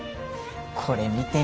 これ見てみ。